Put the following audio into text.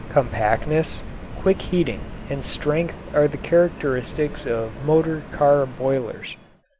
Compactness, quick heating, and strength are the characteristics of motor car boilers.